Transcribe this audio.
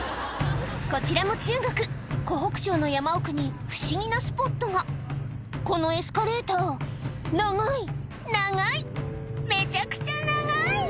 こちらも中国湖北省の山奥に不思議なスポットがこのエスカレーター長い長いめちゃくちゃ長い！